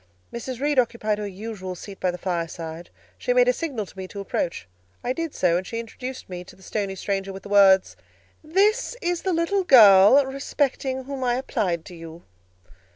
Mrs. Reed occupied her usual seat by the fireside; she made a signal to me to approach; I did so, and she introduced me to the stony stranger with the words: "This is the little girl respecting whom I applied to you."